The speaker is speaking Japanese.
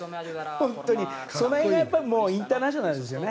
本当にその辺がインターナショナルですよね。